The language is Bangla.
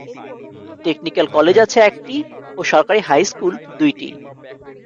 টেকনিক্যাল কলেজ আছে একটি ও সরকারী হাই স্কুল দুই টি।